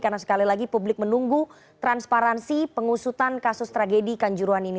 karena sekali lagi publik menunggu transparansi pengusutan kasus tragedi kanjuruan ini